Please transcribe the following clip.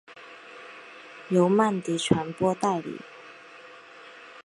由曼迪传播代理。